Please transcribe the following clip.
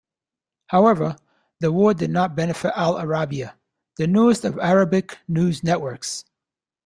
However, the war did not benefit Al-Arabiya, the newest of Arabic news networks.